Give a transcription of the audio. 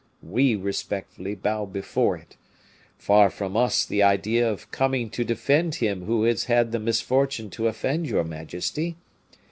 We respectfully bow before it. Far from us the idea of coming to defend him who has had the misfortune to offend your majesty.